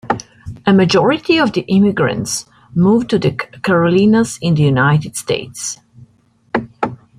A majority of the emigrants moved to the Carolinas in the United States.